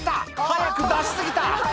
早く出し過ぎた」